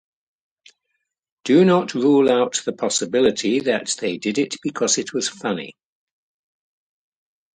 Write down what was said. Do not rule out the possibility that they did it because it was funny.